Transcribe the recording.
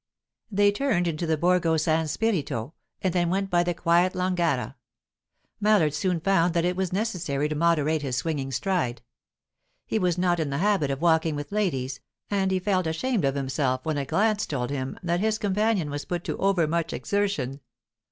They turned into the Borgo San Spirito, and then went by the quiet Longara. Mallard soon found that it was necessary to moderate his swinging stride. He was not in the habit of walking with ladies, and he felt ashamed of himself when a glance told him that his companion was put to overmuch exertion.